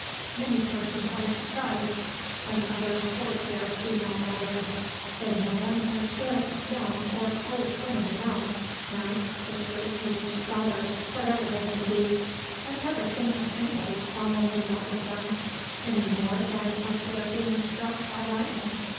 Many persons are surprised, when others court their female relatives; they know them as good young or old women enough, aunts, sisters, nieces, daughters, whatever they may be, but never think of anybody's falling in love with them, any more than of their being struck by lightning.